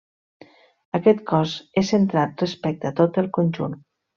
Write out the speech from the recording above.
Aquest cos és centrat respecte a tot el conjunt.